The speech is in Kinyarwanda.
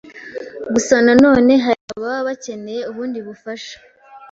gusa nanone hari ababa bakeneye ubundi bufasha